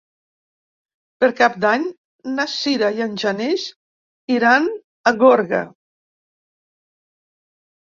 Per Cap d'Any na Sira i en Genís iran a Gorga.